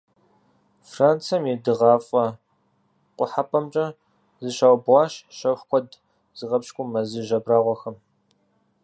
Францием и дыгъафӀэ-къухьэпӀэмкӀэ зыщаубгъуащ щэху куэд зыгъэпщкӏу мэзыжь абрагъуэхэм.